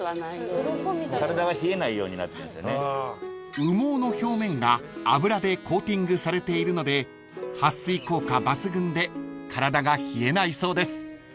［羽毛の表面が油でコーティングされているので撥水効果抜群で体が冷えないそうです］